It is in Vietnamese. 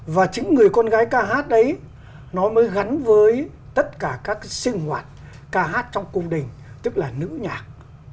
và chính người con gái ca hát đấy nó mới gắn với tất cả các sinh hoạt ca hát trong cung đình tức là nữ nhạc